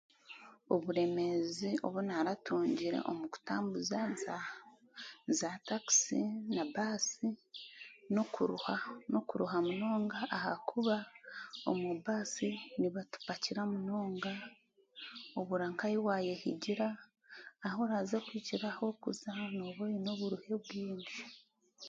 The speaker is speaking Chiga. Oburemeezi obu naaratungire omu kutambuza zaatakisi na baasi n'okuruha. N'okuruha munonga ahabwokuba omu baasi nibatupakira munonga obura nk'ahu waayehigira, ahu oraaze kuhikira ahu orikuba nooba oine oburuhe bwingi.